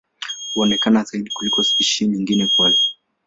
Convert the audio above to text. Huonekana zaidi kuliko spishi nyingine za kwale.